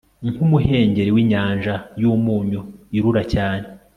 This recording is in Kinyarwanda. nkumuhengeri winyanja y'umunyu irura cyane